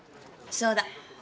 そうだ。